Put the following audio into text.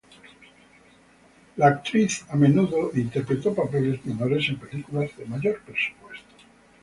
La actriz a menudo interpretó papeles menores en películas de mayor presupuesto.